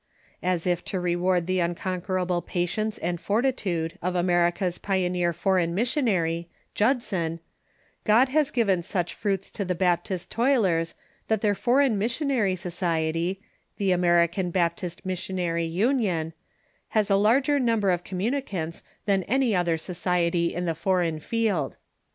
As if to reward the unconquerable patience and fortitude of America's pioneer foreign missionary, Judson, God has given such fruits to the Baptist toilers that their foreign missionary society, the American Baptist Missionary Union, has a larger number of communicants than any other society in the foreign field.